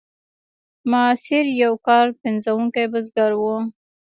ماسیر یو کار پنځوونکی بزګر و.